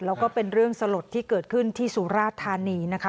แล้วก็เป็นเรื่องสลดที่เกิดขึ้นที่สุราธานีนะคะ